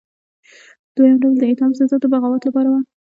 دویم ډول د اعدام سزا د بغاوت لپاره وه.